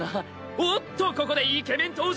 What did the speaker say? おっとここでイケメン登場！